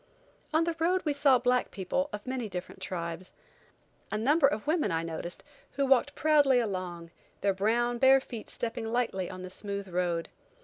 On the road we saw black people of many different tribes. A number of women I noticed, who walked proudly along, their brown, bare feet stepping lightly on the smooth road.